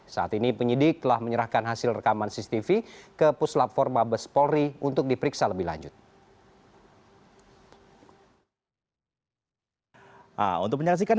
saat ini penyidik telah menyerahkan hasil rekaman cctv ke puslatforma bespolri untuk diperiksa lebih lanjut